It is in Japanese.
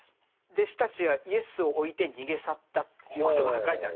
「弟子たちはイエスを置いて逃げ去った」という言葉が書いてある。